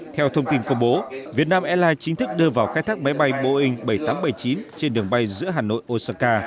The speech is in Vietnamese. theo thông tin công bố việt nam airlines chính thức đưa vào khai thác máy bay boeing bảy nghìn tám trăm bảy mươi chín trên đường bay giữa hà nội osaka